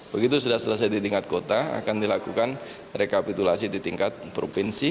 begitu sudah selesai di tingkat kota akan dilakukan rekapitulasi di tingkat provinsi